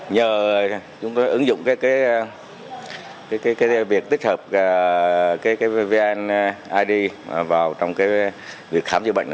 nhờ chúng tôi ứng dụng việc tích hợp vneid vào trong việc khám chữa bệnh